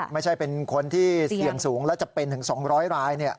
ไม่ใช่เป็นคนที่เสี่ยงสูงและจะเป็นถึง๒๐๐ราย